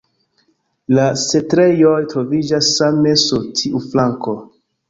La setlejoj troviĝas same sur tiu flanko.